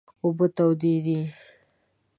اوبه تودې دي